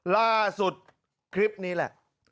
ล่าสุดคลิปนี้แหละ